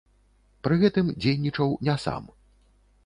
Пры гэтым дзейнічаў не сам.